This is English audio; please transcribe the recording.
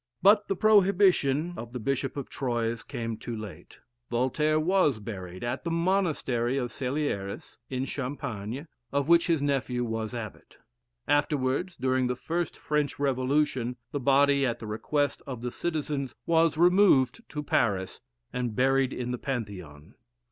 But the prohibition of the Bishop of Troyes came too late. Voltaire was buried at the monastery of Scellieres, in Champagne, of which his nephew was abbot. Afterwards, during the first French Revolution, the body, at the request of the citizens, was removed to Paris, and buried in the Pantheon.